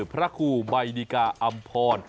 พระคู่บัยดิกาอัมพร